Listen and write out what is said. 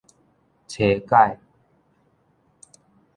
叉改